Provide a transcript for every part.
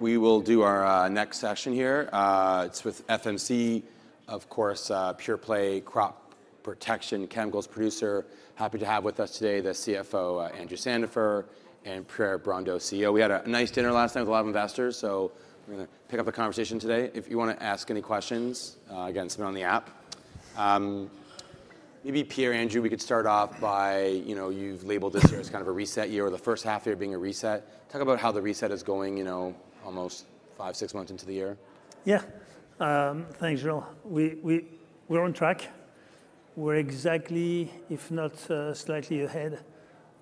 We will do our next session here. It is with FMC, of course, PurePlay Crop Protection Chemicals Producer. Happy to have with us today the CFO, Andrew Sandifer, and Pierre Brondeau, CEO. We had a nice dinner last night with a lot of investors, so we are going to pick up the conversation today. If you want to ask any questions, again, submit on the app. Maybe, Pierre, Andrew, we could start off by, you know, you have labeled this year as kind of a reset year, the first half year being a reset. Talk about how the reset is going, you know, almost 5, 6 months into the year. Yeah, thanks, Joel. We're on track. We're exactly, if not slightly ahead,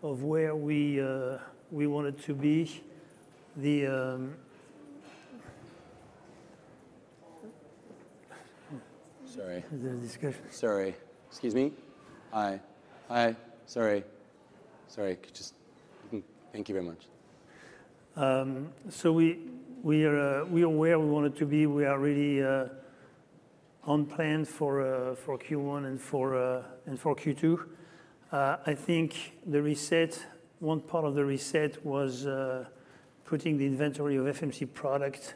of where we wanted to be. The. Sorry. The discussion. Sorry. Excuse me. Hi. Hi. Sorry. Thank you very much. We are where we wanted to be. We are really on plan for Q1 and for Q2. I think the reset, 1 part of the reset, was putting the inventory of FMC product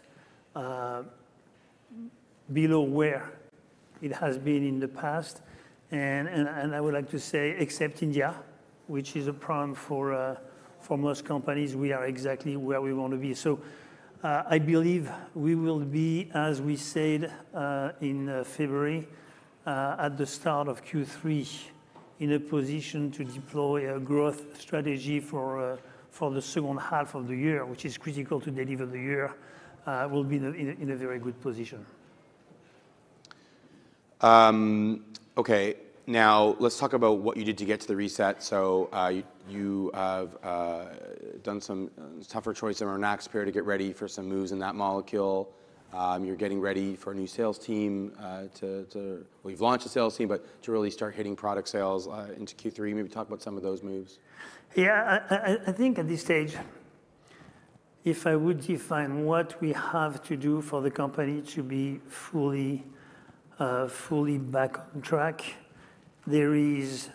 below where it has been in the past. I would like to say, except India, which is a problem for most companies, we are exactly where we want to be. I believe we will be, as we said in February, at the start of Q3, in a position to deploy a growth strategy for the second half of the year, which is critical to deliver the year. We'll be in a very good position. Okay. Now, let's talk about what you did to get to the reset. You have done some tougher choices in our next period to get ready for some moves in that molecule. You're getting ready for a new sales team to, well, you've launched a sales team, but to really start hitting product sales into Q3. Maybe talk about some of those moves. Yeah. I think at this stage, if I would define what we have to do for the company to be fully back on track, there is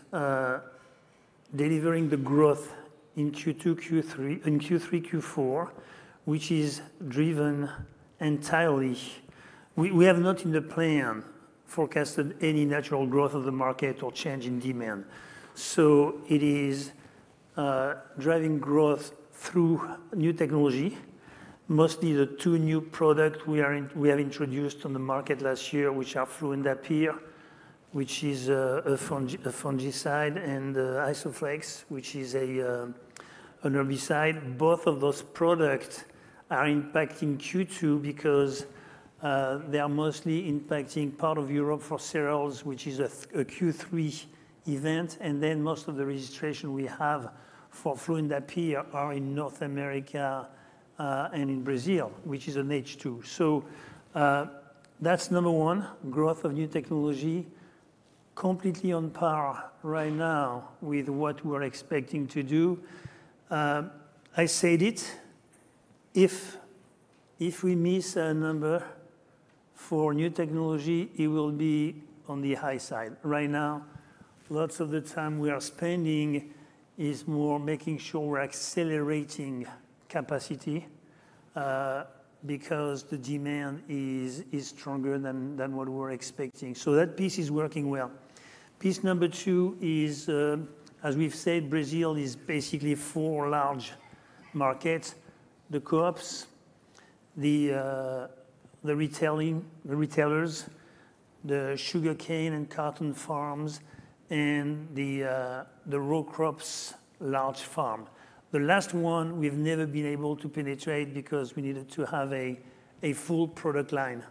delivering the growth in Q2, Q3, Q4, which is driven entirely. We have not in the plan forecasted any natural growth of the market or change in demand. It is driving growth through new technology, mostly the 2 new products we have introduced on the market last year, which are Fluindapyr, which is a fungicide, and Isoflex, which is an herbicide. Both of those products are impacting Q2 because they are mostly impacting part of Europe for cereals, which is a Q3 event. Most of the registrations we have for Fluindapyr are in North America and in Brazil, which is an H2. That is number 1, growth of new technology, completely on par right now with what we're expecting to do. I said it. If we miss a number for new technology, it will be on the high side. Right now, lots of the time we are spending is more making sure we're accelerating capacity because the demand is stronger than what we're expecting. That piece is working well. Piece number 2 is, as we've said, Brazil is basically 4 large markets: the co-ops, the retailers, the sugarcane and cotton farms, and the row crops large farm. The last one, we've never been able to penetrate because we needed to have a full product line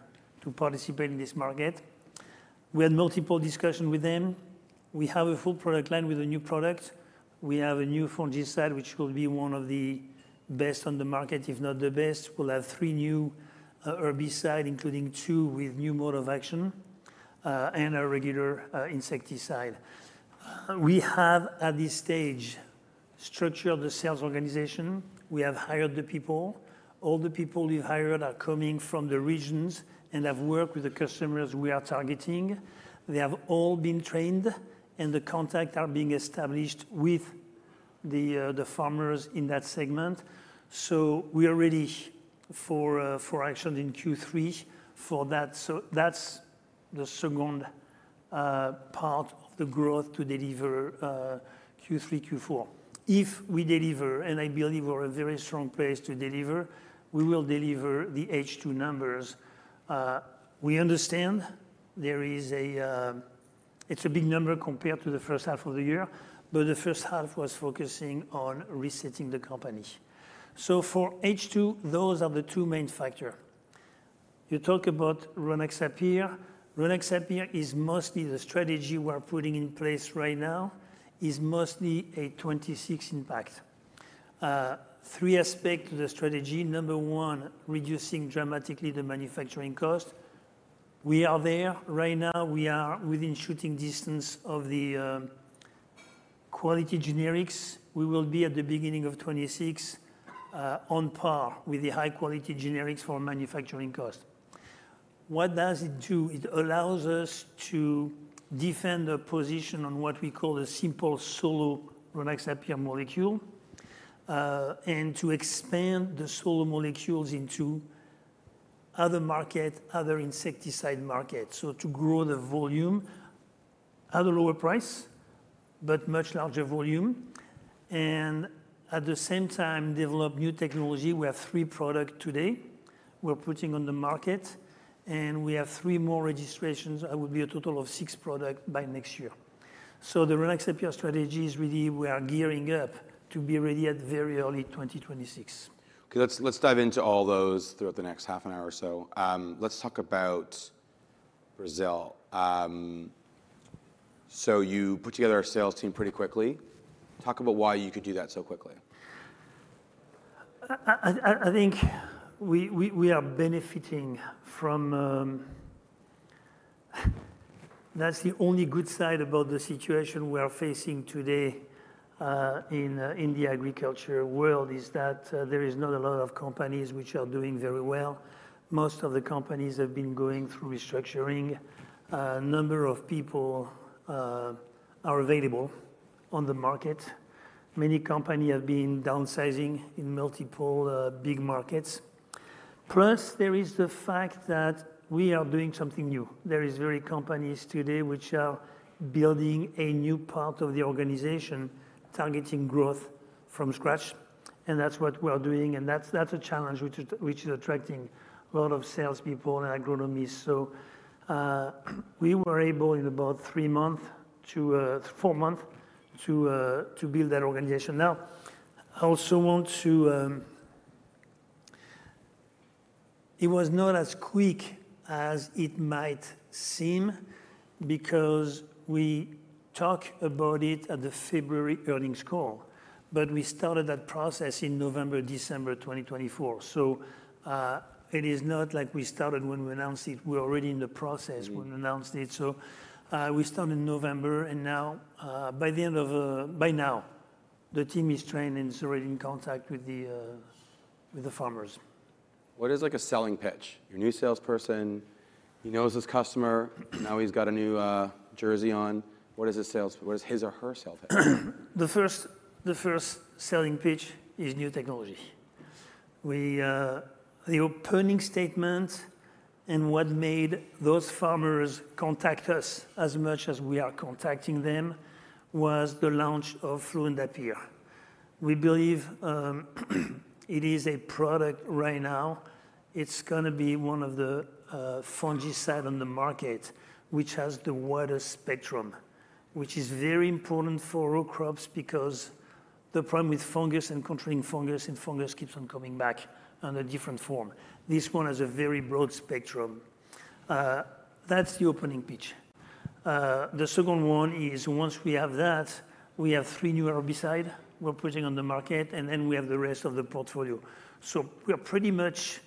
to participate in this market. We had multiple discussions with them. We have a full product line with a new product. We have a new fungicide, which will be one of the best on the market, if not the best. We'll have 3 new herbicides, including 2 with new mode of action and a regular insecticide. We have, at this stage, structured the sales organization. We have hired the people. All the people we've hired are coming from the regions and have worked with the customers we are targeting. They have all been trained, and the contacts are being established with the farmers in that segment. We are ready for action in Q3 for that. That's the second part of the growth to deliver Q3, Q4. If we deliver, and I believe we're in a very strong place to deliver, we will deliver the H2 numbers. We understand there is a, it's a big number compared to the first half of the year, but the first half was focusing on resetting the company. For H2, those are the 2 main factors. You talk about Rynaxypyr. Rynaxypyr is mostly the strategy we're putting in place right now, is mostly a 2026 impact. 3 aspects to the strategy. Number 1, reducing dramatically the manufacturing cost. We are there. Right now, we are within shooting distance of the quality generics. We will be at the beginning of 2026 on par with the high-quality generics for manufacturing cost. What does it do? It allows us to defend a position on what we call a simple solo Rynaxypyr molecule and to expand the solo molecules into other markets, other insecticide markets. To grow the volume at a lower price, but much larger volume, and at the same time develop new technology. We have 3 products today we're putting on the market, and we have 3 more registrations. That would be a total of 6 products by next year. The Rynaxypyr strategy is really we are gearing up to be ready at very early 2026. Okay. Let's dive into all those throughout the next half an hour or so. Let's talk about Brazil. You put together a sales team pretty quickly. Talk about why you could do that so quickly. I think we are benefiting from, that's the only good side about the situation we are facing today in the agriculture world, is that there is not a lot of companies which are doing very well. Most of the companies have been going through restructuring. A number of people are available on the market. Many companies have been downsizing in multiple big markets. Plus, there is the fact that we are doing something new. There are very few companies today which are building a new part of the organization, targeting growth from scratch. That's what we're doing. That's a challenge which is attracting a lot of salespeople and agronomists. We were able in about 3 months to 4 months to build that organization. Now, I also want to, it was not as quick as it might seem because we talked about it at the February earnings call, but we started that process in November, December 2024. It is not like we started when we announced it. We were already in the process when we announced it. We started in November, and now by the end of, by now, the team is trained and is already in contact with the farmers. What is like a selling pitch? Your new salesperson, he knows his customer. Now he's got a new jersey on. What is his sales pitch? What is his or her sales pitch? The first selling pitch is new technology. The opening statement and what made those farmers contact us as much as we are contacting them was the launch of Fluindapyr. We believe it is a product right now. It's going to be one of the fungicides on the market, which has the widest spectrum, which is very important for row crops because the problem with fungus and controlling fungus and fungus keeps on coming back in a different form. This one has a very broad spectrum. That's the opening pitch. The 2nd one is once we have that, we have 3 new herbicides we're putting on the market, and then we have the rest of the portfolio. We are pretty much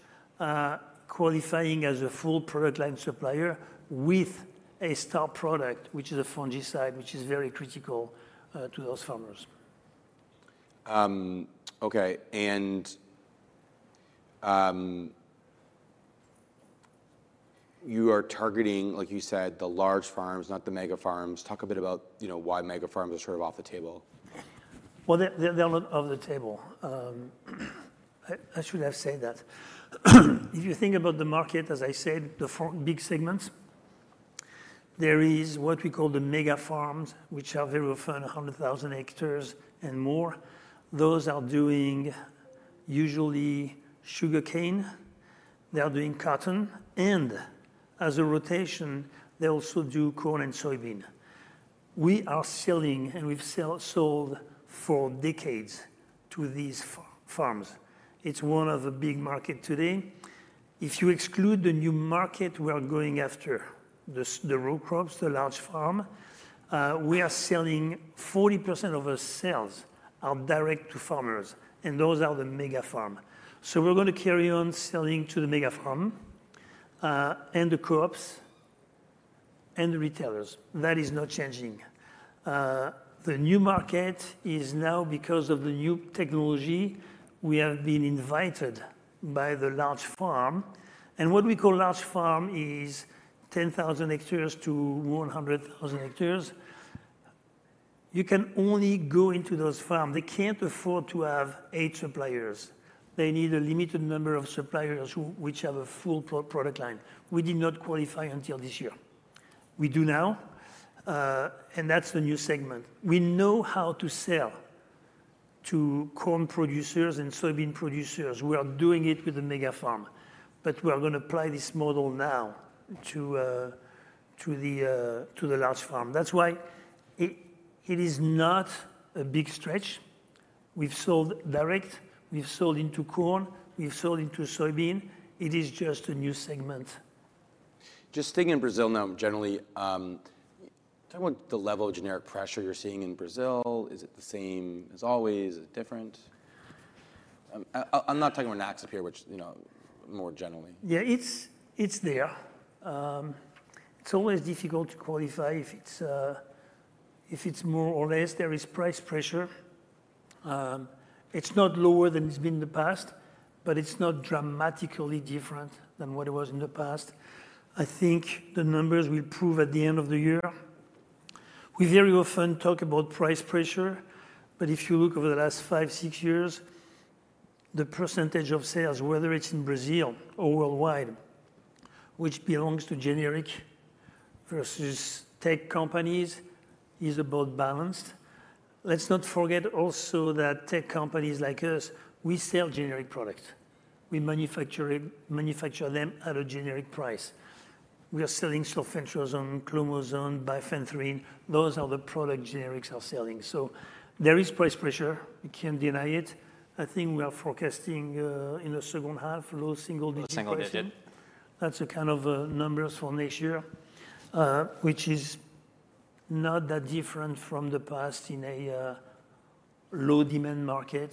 qualifying as a full product line supplier with a star product, which is a fungicide, which is very critical to those farmers. Okay. You are targeting, like you said, the large farms, not the mega farms. Talk a bit about why mega farms are sort of off the table. They're not off the table. I should have said that. If you think about the market, as I said, the big segments, there is what we call the mega farms, which are very often 100,000 hectares and more. Those are doing usually sugarcane. They are doing cotton. And as a rotation, they also do corn and soybean. We are selling, and we've sold for decades to these farms. It's one of the big markets today. If you exclude the new market we're going after, the row crops, the large farm, we are selling 40% of our sales are direct to farmers, and those are the mega farm. We're going to carry on selling to the mega farm and the co-ops and the retailers. That is not changing. The new market is now, because of the new technology, we have been invited by the large farm. What we call large farm is 10,000 hectares to 100,000 hectares. You can only go into those farms. They cannot afford to have 8 suppliers. They need a limited number of suppliers which have a full product line. We did not qualify until this year. We do now, and that is the new segment. We know how to sell to corn producers and soybean producers. We are doing it with the mega farm, but we are going to apply this model now to the large farm. That is why it is not a big stretch. We have sold direct. We have sold into corn. We have sold into soybean. It is just a new segment. Just staying in Brazil now, generally, talk about the level of generic pressure you're seeing in Brazil. Is it the same as always? Is it different? I'm not talking about next year, which, you know, more generally. Yeah, it's there. It's always difficult to qualify if it's more or less. There is price pressure. It's not lower than it's been in the past, but it's not dramatically different than what it was in the past. I think the numbers will prove at the end of the year. We very often talk about price pressure, but if you look over the last 5, 6 years, the percentage of sales, whether it's in Brazil or worldwide, which belongs to generic versus tech companies, is about balanced. Let's not forget also that tech companies like us, we sell generic products. We manufacture them at a generic price. We are selling sulfentrazone, clomazone, bifenthrin. Those are the products generics are selling. There is price pressure. We can't deny it. I think we are forecasting in the second half, low single digits. Single digit. That's a kind of numbers for next year, which is not that different from the past in a low demand market.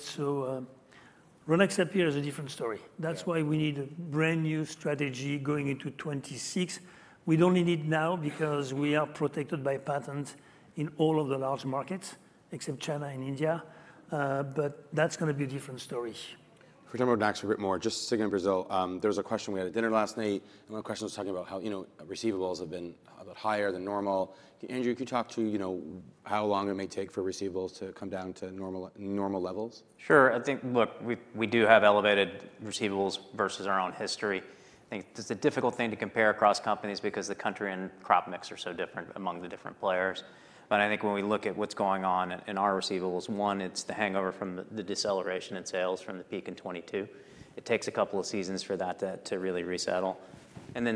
Rynaxypyr is a different story. That's why we need a brand new strategy going into 2026. We don't need it now because we are protected by patents in all of the large markets, except China and India. That's going to be a different story. If we talk about next year a bit more, just sticking in Brazil, there was a question. We had a dinner last night, and 1 of the questions was talking about how, you know, receivables have been a bit higher than normal. Andrew, could you talk to, you know, how long it may take for receivables to come down to normal levels? Sure. I think, look, we do have elevated receivables versus our own history. I think it's a difficult thing to compare across companies because the country and crop mix are so different among the different players. I think when we look at what's going on in our receivables, 1, it's the hangover from the deceleration in sales from the peak in 2022. It takes a couple of seasons for that to really resettle.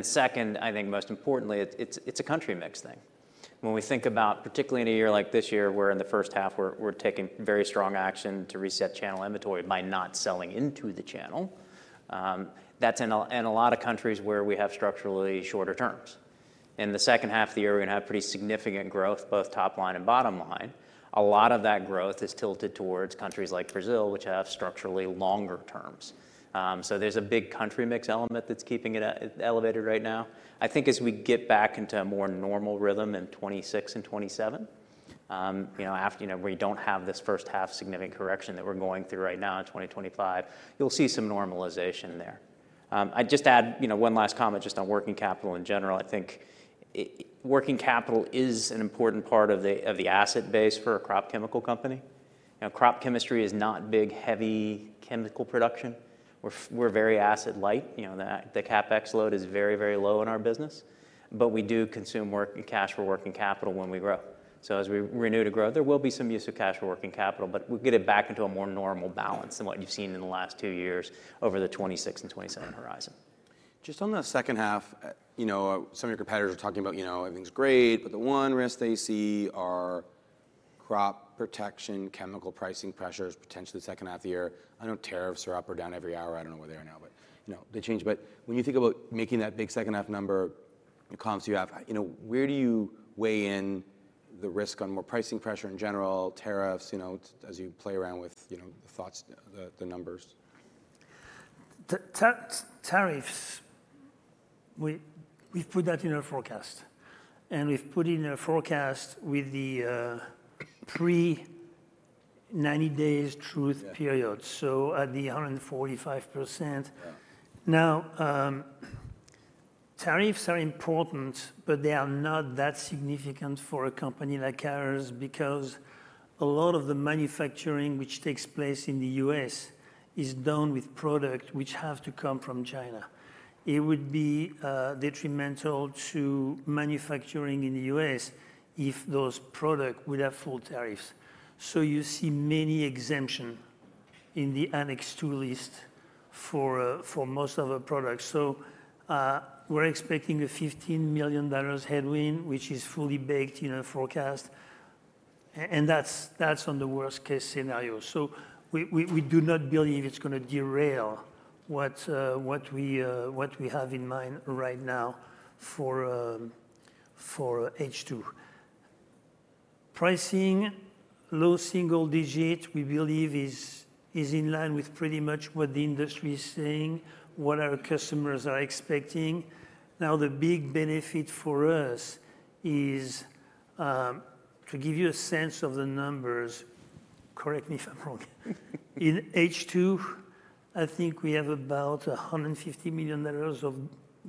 Second, I think most importantly, it's a country mix thing. When we think about, particularly in a year like this year, where in the first half we're taking very strong action to reset channel inventory by not selling into the channel, that's in a lot of countries where we have structurally shorter terms. In the second half of the year, we're going to have pretty significant growth, both top line and bottom line. A lot of that growth is tilted towards countries like Brazil, which have structurally longer terms. There is a big country mix element that is keeping it elevated right now. I think as we get back into a more normal rhythm in 2026 and 2027, you know, after we do not have this first half significant correction that we are going through right now in 2025, you will see some normalization there. I would just add, you know, 1 last comment just on working capital in general. I think working capital is an important part of the asset base for a crop chemical company. Now, crop chemistry is not big, heavy chemical production. We are very asset light. You know, the CapEx load is very, very low in our business, but we do consume working cash for working capital when we grow. As we renew to grow, there will be some use of cash for working capital, but we'll get it back into a more normal balance than what you've seen in the last 2 years over the 2026 and 2027 horizon. Just on the second half, you know, some of your competitors are talking about, you know, everything's great, but the 1 risk they see are crop protection chemical pricing pressures, potentially the second half of the year. I know tariffs are up or down every hour. I don't know where they are now, but, you know, they change. When you think about making that big second half number, the columns you have, you know, where do you weigh in the risk on more pricing pressure in general, tariffs, you know, as you play around with, you know, the thoughts, the numbers? Tariffs, we've put that in our forecast, and we've put in our forecast with the pre-90 days truth period. At the 145%. Now, tariffs are important, but they are not that significant for a company like ours because a lot of the manufacturing which takes place in the U.S. is done with products which have to come from China. It would be detrimental to manufacturing in the U.S. if those products would have full tariffs. You see many exemptions in the Annex II list for most of our products. We are expecting a $15 million headwind, which is fully baked in our forecast, and that's on the worst-case scenario. We do not believe it's going to derail what we have in mind right now for H2. Pricing, low single digit, we believe is in line with pretty much what the industry is saying, what our customers are expecting. Now, the big benefit for us is, to give you a sense of the numbers, correct me if I'm wrong, in H2, I think we have about $150 million of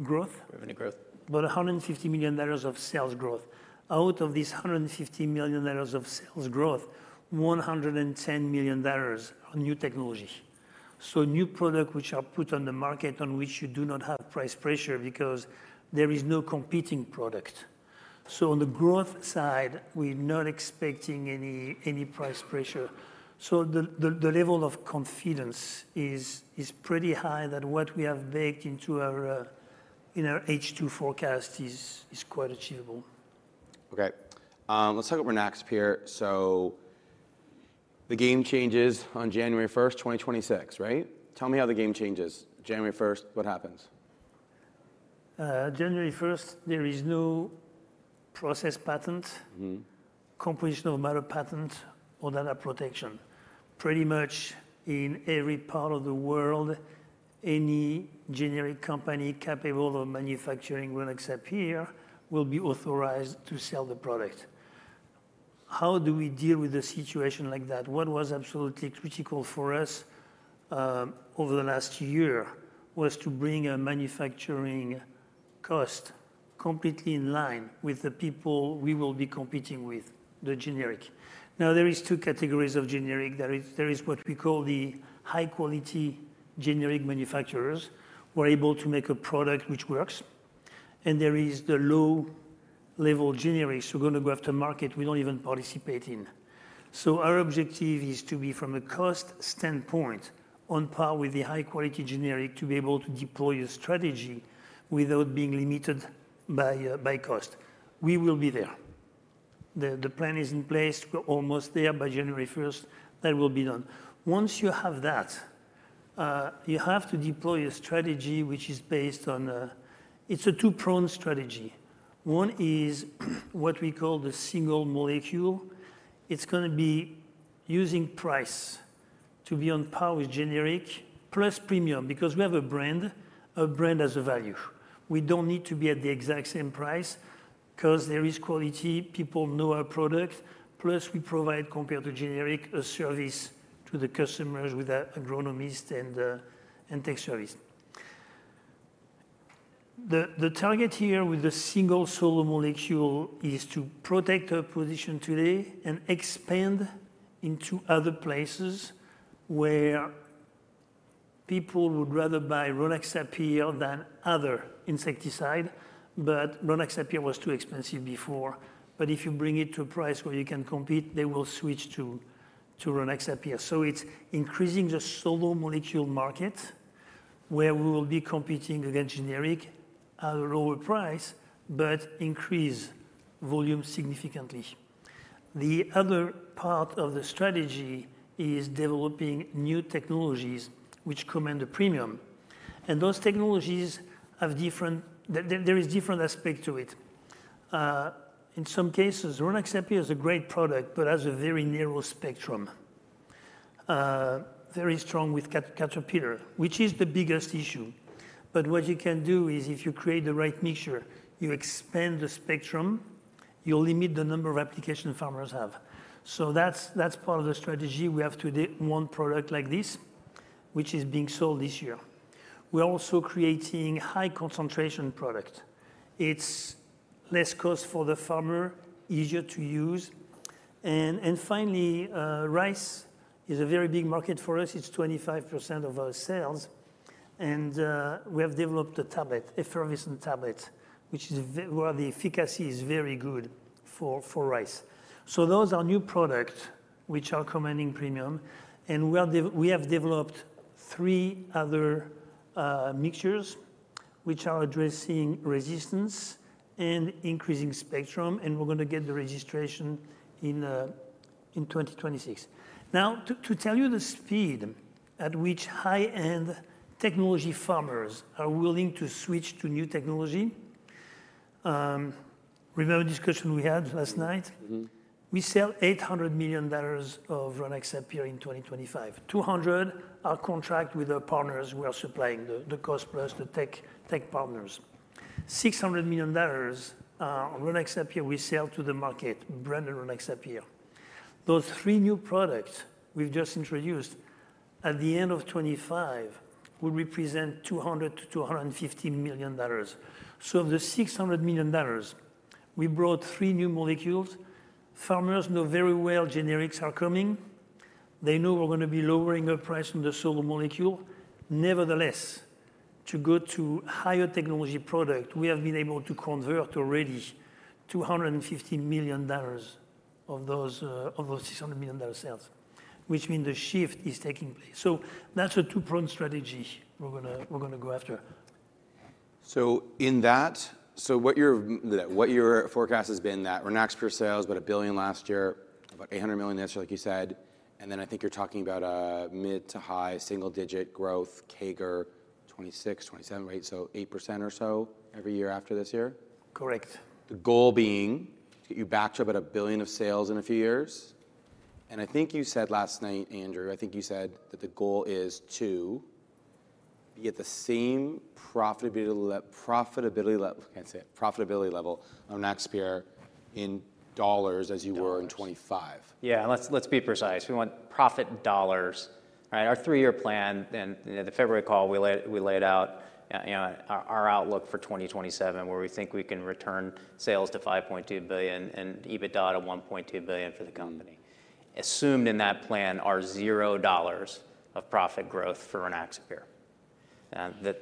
growth. Revenue growth. About $150 million of sales growth. Out of this $150 million of sales growth, $110 million are new technologies. So new products which are put on the market on which you do not have price pressure because there is no competing product. On the growth side, we're not expecting any price pressure. The level of confidence is pretty high that what we have baked into our H2 forecast is quite achievable. Okay. Let's talk about next year. The game changes on January 1, 2026, right? Tell me how the game changes. January 1, what happens? January 1st, there is no process patent, composition of matter patent, or data protection. Pretty much in every part of the world, any generic company capable of manufacturing Rynaxypyr will be authorized to sell the product. How do we deal with a situation like that? What was absolutely critical for us over the last year was to bring a manufacturing cost completely in line with the people we will be competing with, the generic. Now, there are 2 categories of generic. There is what we call the high-quality generic manufacturers who are able to make a product which works, and there is the low-level generics who are going to go after market we do not even participate in. Our objective is to be, from a cost standpoint, on par with the high-quality generic to be able to deploy a strategy without being limited by cost. We will be there. The plan is in place. We're almost there by January 1. That will be done. Once you have that, you have to deploy a strategy which is based on, it's a 2-pronged strategy. One is what we call the single molecule. It's going to be using price to be on par with generic plus premium because we have a brand. A brand has a value. We don't need to be at the exact same price because there is quality. People know our product. Plus, we provide, compared to generic, a service to the customers with agronomist and tech service. The target here with the single solo molecule is to protect our position today and expand into other places where people would rather buy Rynaxypyr than other insecticide, but Rynaxypyr was too expensive before. If you bring it to a price where you can compete, they will switch to Rynaxypyr. It is increasing the solo molecule market where we will be competing against generic at a lower price, but increase volume significantly. The other part of the strategy is developing new technologies which command a premium. Those technologies have different, there is different aspect to it. In some cases, Rynaxypyr is a great product, but has a very narrow spectrum. Very strong with caterpillar, which is the biggest issue. What you can do is, if you create the right mixture, you expand the spectrum, you limit the number of applications farmers have. That is part of the strategy. We have today 1 product like this, which is being sold this year. We are also creating high-concentration product. It is less cost for the farmer, easier to use. Rice is a very big market for us. It's 25% of our sales. We have developed a tablet, a fervicin tablet, which is where the efficacy is very good for rice. Those are new products which are commanding premium. We have developed 3 other mixtures which are addressing resistance and increasing spectrum. We're going to get the registration in 2026. To tell you the speed at which high-end technology farmers are willing to switch to new technology, remember the discussion we had last night? We sell $800 million of Rynaxypyr in 2025. $200 million are contract with our partners who are supplying the cost plus the tech partners. $600 million Rynaxypyr we sell to the market, branded Rynaxypyr. Those 3 new products we've just introduced at the end of 2025 will represent $200 million-$250 million. Of the $600 million, we brought 3 new molecules. Farmers know very well generics are coming. They know we're going to be lowering our price on the solo molecule. Nevertheless, to go to higher technology product, we have been able to convert already $250 million of those $600 million sales, which means the shift is taking place. That's a 2-pronged strategy we're going to go after. In that, what your forecast has been is that Rynaxypyr sales, about $1 billion last year, about $800 million this year, like you said. I think you're talking about mid to high single digit growth, CAGR 2026, 2027 rate, so 8% or so every year after this year. Correct. The goal being to get you back to about $1 billion of sales in a few years. I think you said last night, Andrew, I think you said that the goal is to be at the same profitability level, I can't say it, profitability level on Rynaxypyr in dollars as you were in 2025. Yeah. Let's be precise. We want profit dollars, right? Our 3 year plan, the February call, we laid out, you know, our outlook for 2027 where we think we can return sales to $5.2 billion and EBITDA to $1.2 billion for the company. Assumed in that plan are $0 of profit growth for Rynaxypyr.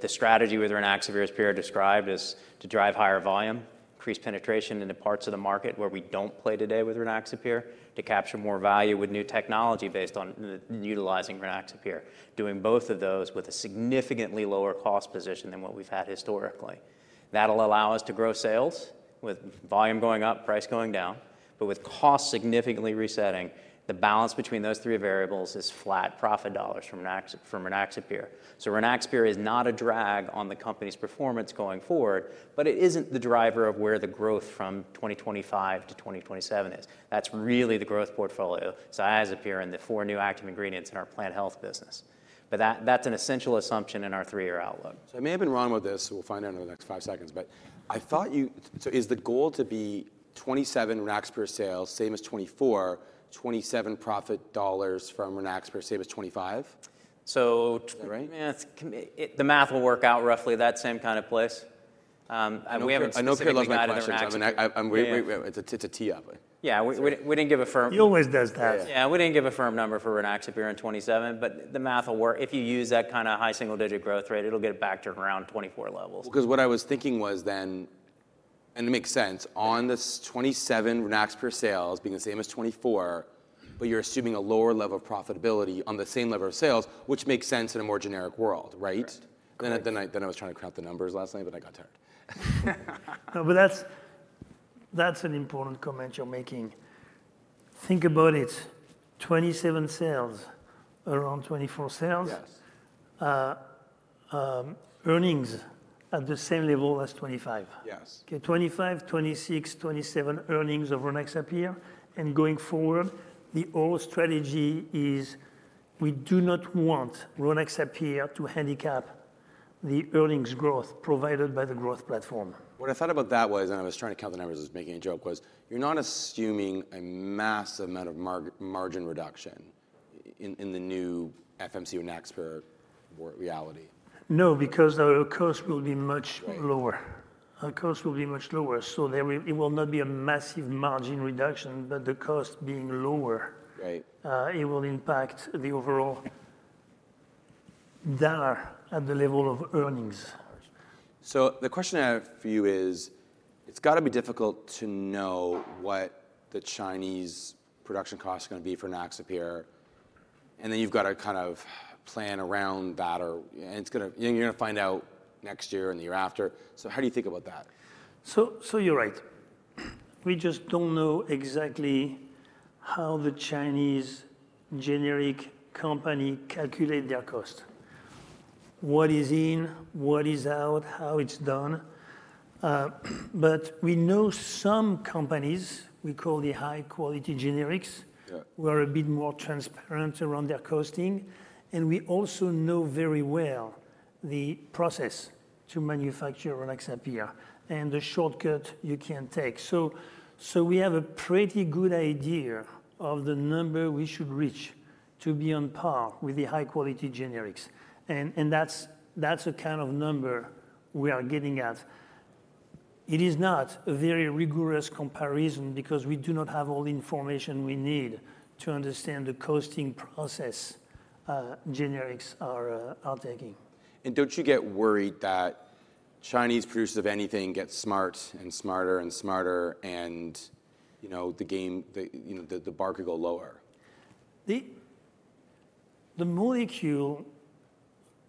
The strategy with Rynaxypyr as Pierre described is to drive higher volume, increase penetration into parts of the market where we don't play today with Rynaxypyr, to capture more value with new technology based on utilizing Rynaxypyr, doing both of those with a significantly lower cost position than what we've had historically. That'll allow us to grow sales with volume going up, price going down, but with cost significantly resetting, the balance between those 3 variables is flat profit dollars from Rynaxypyr. Rynaxypyr is not a drag on the company's performance going forward, but it isn't the driver of where the growth from 2025 to 2027 is. That's really the growth portfolio, Isoflex and the 4 new active ingredients in our plant health business. But that's an essential assumption in our 3 year outlook. I may have been wrong with this. We'll find out in the next 5 seconds. I thought you, so is the goal to be $27 Rynaxypyr per sale, same as 2024, $27 profit dollars from Rynaxypyr per sale as 2025? So. Right? The math will work out roughly that same kind of place. I know Pierre Brondeau's not Rynaxypyr. It's a tee-up. Yeah. We didn't give a firm. He always does that. Yeah. We didn't give a firm number for Rynaxypyr in 2027, but the math will work. If you use that kind of high single-digit growth rate, it'll get it back to around 2024 levels. Because what I was thinking was then, and it makes sense, on this 2027 Rynaxypyr sales being the same as 2024, but you're assuming a lower level of profitability on the same level of sales, which makes sense in a more generic world, right? Then I was trying to craft the numbers last night, but I got tired. No, but that's an important comment you're making. Think about it. 27 sales, around 24 sales, earnings at the same level as 2025. Yes. Okay. 2025, 2026, 2027 earnings of Rynaxypyr. And going forward, the whole strategy is we do not want Rynaxypyr to handicap the earnings growth provided by the growth platform. What I thought about that was, and I was trying to count the numbers as making a joke, was you're not assuming a massive amount of margin reduction in the new FMC and Nexpert reality. No, because our cost will be much lower. Our cost will be much lower. It will not be a massive margin reduction, but the cost being lower, it will impact the overall dollar at the level of earnings. The question I have for you is, it's got to be difficult to know what the Chinese production cost is going to be for Rynaxypyr here. And then you've got to kind of plan around that, or you're going to find out next year and the year after. How do you think about that? You're right. We just don't know exactly how the Chinese generic company calculate their cost, what is in, what is out, how it's done. We know some companies we call the high-quality generics who are a bit more transparent around their costing. We also know very well the process to manufacture Rynaxypyr and the shortcut you can take. We have a pretty good idea of the number we should reach to be on par with the high-quality generics. That's the kind of number we are getting at. It is not a very rigorous comparison because we do not have all the information we need to understand the costing process generics are taking. Don't you get worried that Chinese producers of anything get smarter and smarter and the bar could go lower? The molecule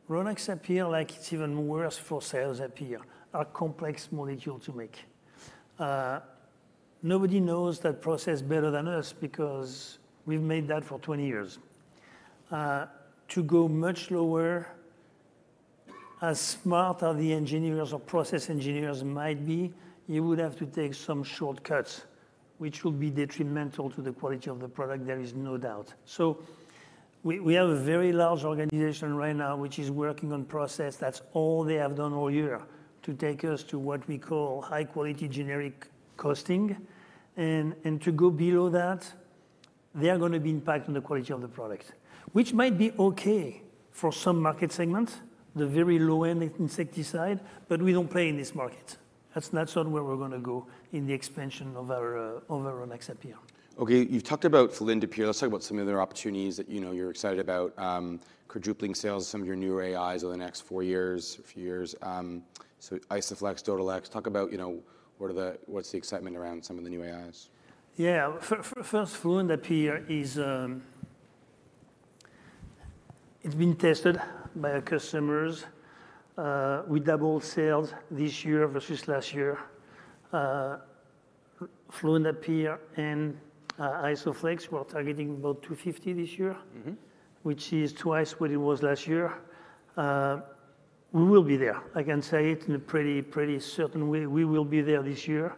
Rynaxypyr, like it's even worse for sales, Rynaxypyr, are complex molecules to make. Nobody knows that process better than us because we've made that for 20 years. To go much lower, as smart as the engineers or process engineers might be, you would have to take some shortcuts, which will be detrimental to the quality of the product. There is no doubt. We have a very large organization right now, which is working on process. That's all they have done all year to take us to what we call high-quality generic costing. To go below that, they are going to be impacting the quality of the product, which might be okay for some market segments, the very low-end insecticide, but we don't play in this market. That's not where we're going to go in the expansion of our Rynaxypyr. Okay. You've talked about Fluindapyr. Let's talk about some of the other opportunities that, you know, you're excited about, quadrupling sales of some of your new AIs over the next 4 years, a few years. Isoflex, Dodelex, talk about what's the excitement around some of the new AIs. Yeah. First, fluindapyr is, it's been tested by our customers. We doubled sales this year versus last year. Fluindapyr and Isoflex, we're targeting about $250 million this year, which is twice what it was last year. We will be there. I can say it in a pretty certain way. We will be there this year,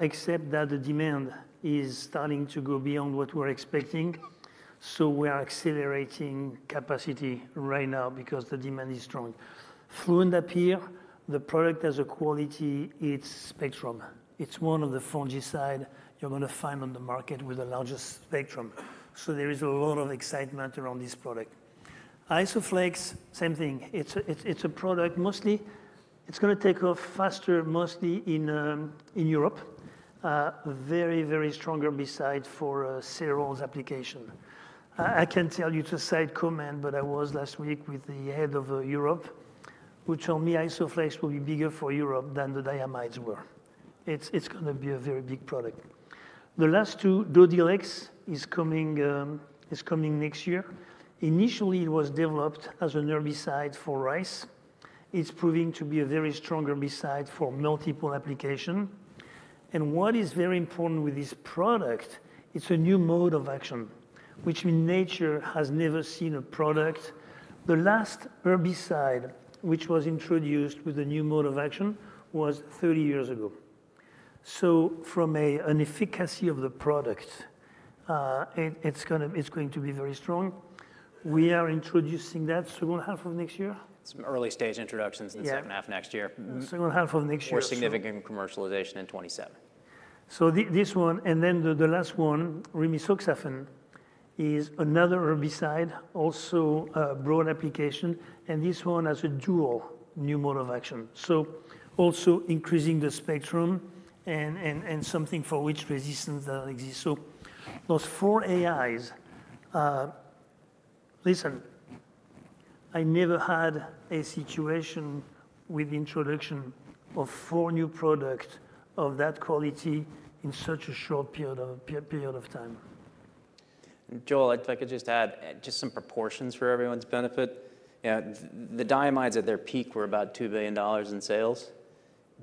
except that the demand is starting to go beyond what we're expecting. So we are accelerating capacity right now because the demand is strong. Fluindapyr, the product has a quality in its spectrum. It's one of the fungicides you're going to find on the market with the largest spectrum. There is a lot of excitement around this product. Isoflex, same thing. It's a product mostly, it's going to take off faster mostly in Europe, very, very strong besides for cereals application. I can't tell you to a side comment, but I was last week with the head of Europe, who told me Isoflex will be bigger for Europe than the diamides were. It's going to be a very big product. The last 2, Dodelex, is coming next year. Initially, it was developed as an herbicide for rice. It's proving to be a very strong herbicide for multiple application. What is very important with this product, it's a new mode of action, which means nature has never seen a product. The last herbicide which was introduced with a new mode of action was 30 years ago. From an efficacy of the product, it's going to be very strong. We are introducing that second half of next year. Some early stage introductions in the second half next year. Second half of next year. More significant commercialization in 2027. This one, and then the last one, Remisoxafen, is another herbicide, also broad application. This one has a dual new mode of action. Also increasing the spectrum and something for which resistance doesn't exist. Those 4 AIs, listen, I never had a situation with the introduction of 4 new products of that quality in such a short period of time. Joel, if I could just add just some proportions for everyone's benefit. The diamides at their peak were about $2 billion in sales.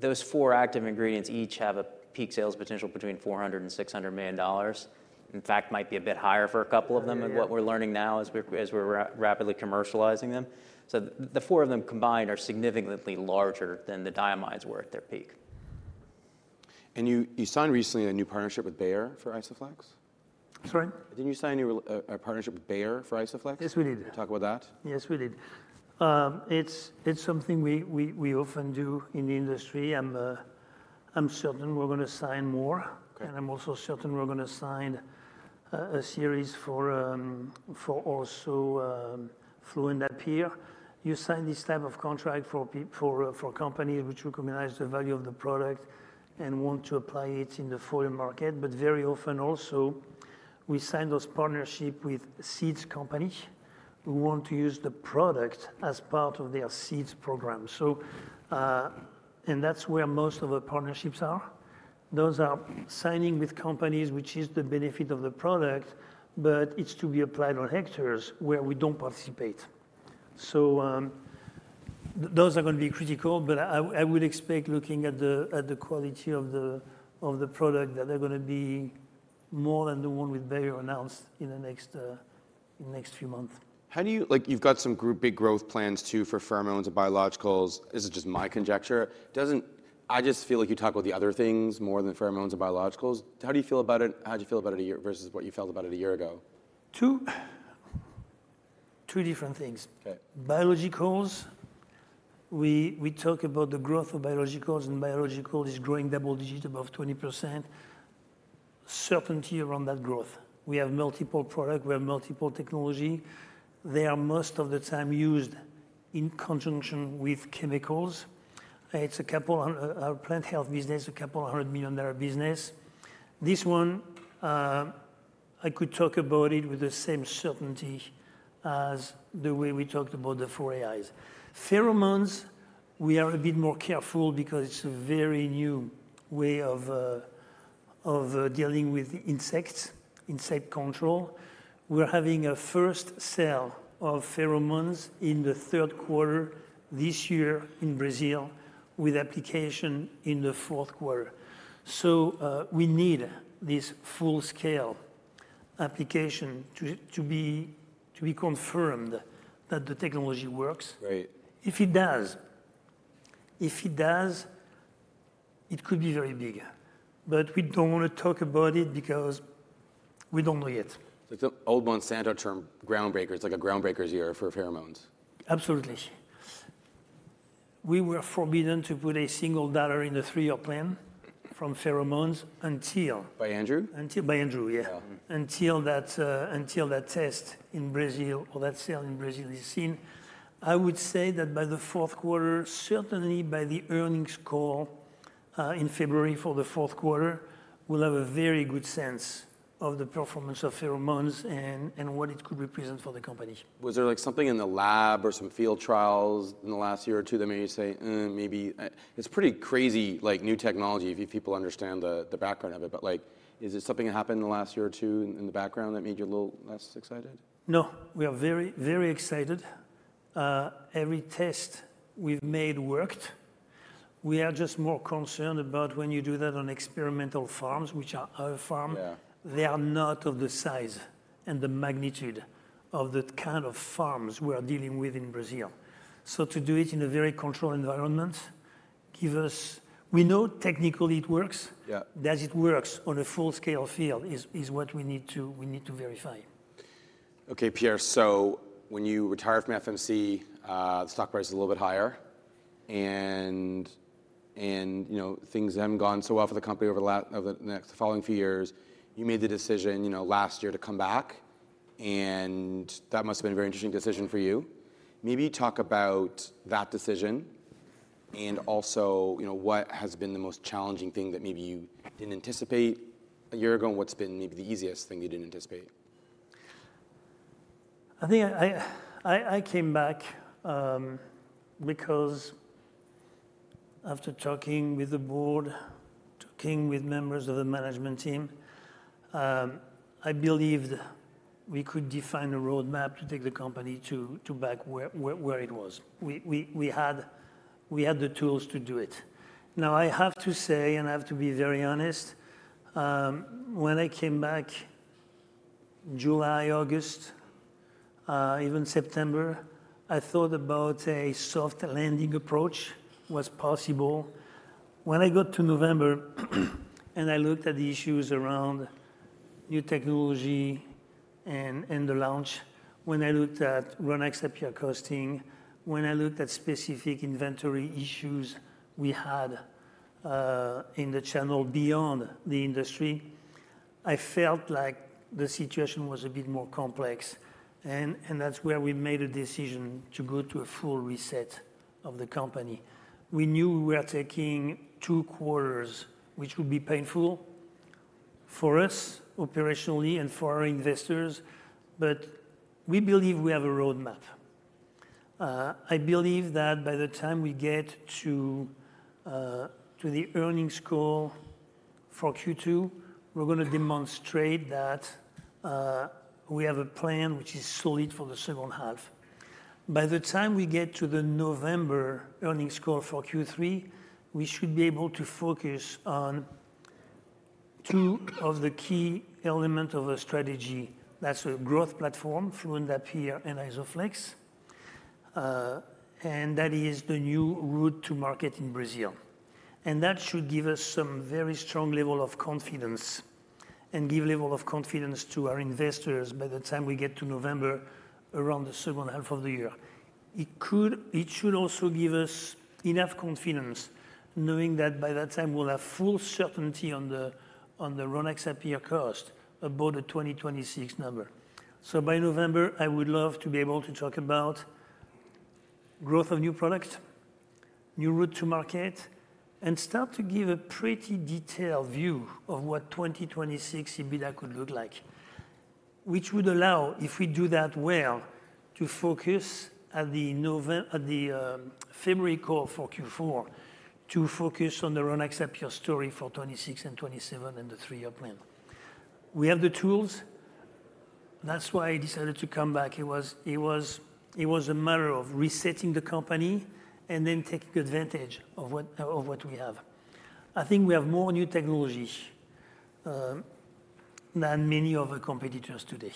Those 4 active ingredients each have a peak sales potential between $400 million and $600 million. In fact, might be a bit higher for a couple of them. And what we're learning now as we're rapidly commercializing them. The 4 of them combined are significantly larger than the diamides were at their peak. You signed recently a new partnership with Bayer for Isoflex. Sorry? Didn't you sign a partnership with Bayer for Isoflex? Yes, we did. Talk about that. Yes, we did. It's something we often do in the industry. I'm certain we're going to sign more. I'm also certain we're going to sign a series for also fluindapyr. You sign this type of contract for companies which recognize the value of the product and want to apply it in the foreign market. Very often also, we sign those partnerships with seeds companies who want to use the product as part of their seeds program. That's where most of our partnerships are. Those are signing with companies which see the benefit of the product, but it's to be applied on hectares where we don't participate. Those are going to be critical. I would expect, looking at the quality of the product, that they're going to be more than the one with Bayer announced in the next few months. How do you, like, you have got some big growth plans too for pheromones and biologicals. Is it just my conjecture? I just feel like you talk about the other things more than pheromones and biologicals. How do you feel about it? How did you feel about it versus what you felt about it a year ago? 2 different things. Biologicals, we talk about the growth of biologicals, and biological is growing double digit above 20%. Certainty around that growth. We have multiple products. We have multiple technologies. They are most of the time used in conjunction with chemicals. It is a couple of our plant health business, a couple of hundred million dollar business. This one, I could talk about it with the same certainty as the way we talked about the 4 AIs. Pheromones, we are a bit more careful because it is a very new way of dealing with insects, insect control. We are having a first sale of pheromones in the third quarter this year in Brazil with application in the fourth quarter. We need this full-scale application to be confirmed that the technology works. If it does, it could be very big. We don't want to talk about it because we don't know yet. Old Monsanto term, groundbreaker. It's like a ground breaker's year for pheromones. Absolutely. We were forbidden to put a single dollar in the 3 year plan from pheromones until. By Andrew? By Andrew, yeah. Until that test in Brazil or that sale in Brazil is seen. I would say that by the fourth quarter, certainly by the earnings call in February for the fourth quarter, we'll have a very good sense of the performance of pheromones and what it could represent for the company. Was there like something in the lab or some field trials in the last year or 2 that made you say, "Maybe it's pretty crazy new technology if people understand the background of it." Is it something that happened in the last year or 2 in the background that made you a little less excited? No. We are very, very excited. Every test we've made worked. We are just more concerned about when you do that on experimental farms, which are our farm. They are not of the size and the magnitude of the kind of farms we are dealing with in Brazil. To do it in a very controlled environment, we know technically it works. Does it work on a full-scale field is what we need to verify. Okay, Pierre, so when you retired from FMC, the stock price was a little bit higher. Things haven't gone so well for the company over the next following few years. You made the decision last year to come back. That must have been a very interesting decision for you. Maybe talk about that decision and also what has been the most challenging thing that maybe you didn't anticipate a year ago and what's been maybe the easiest thing you didn't anticipate. I think I came back because after talking with the board, talking with members of the management team, I believed we could define a roadmap to take the company back where it was. We had the tools to do it. Now, I have to say, and I have to be very honest, when I came back, July, August, even September, I thought about a soft landing approach was possible. When I got to November and I looked at the issues around new technology and the launch, when I looked at Rynaxypyr costing, when I looked at specific inventory issues we had in the channel beyond the industry, I felt like the situation was a bit more complex. That is where we made a decision to go to a full reset of the company. We knew we were taking 2 quarters, which would be painful for us operationally and for our investors. We believe we have a roadmap. I believe that by the time we get to the earnings call for Q2, we're going to demonstrate that we have a plan which is solid for the second half. By the time we get to the November earnings call for Q3, we should be able to focus on 2 of the key elements of our strategy. That is a growth platform, fluindapyr and Isoflex. That is the new route to market in Brazil. That should give us some very strong level of confidence and give level of confidence to our investors by the time we get to November around the second half of the year. It should also give us enough confidence knowing that by that time, we'll have full certainty on the Rynaxypyr cost above the 2026 number. By November, I would love to be able to talk about growth of new product, new route to market, and start to give a pretty detailed view of what 2026 EBITDA could look like, which would allow, if we do that well, to focus at the February call for Q4 to focus on the Rynaxypyr story for 2026 and 2027 and the 3 year plan. We have the tools. That's why I decided to come back. It was a matter of resetting the company and then taking advantage of what we have. I think we have more new technology than many of our competitors today.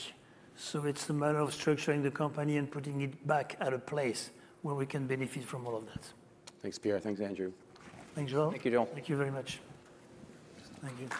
It's a matter of structuring the company and putting it back at a place where we can benefit from all of that. Thanks, Pierre. Thanks, Andrew. Thanks, Joel. Thank you, Joel. Thank you very much. Thank you.